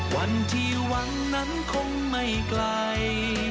วันที่หวังนั้นคงไม่ไกล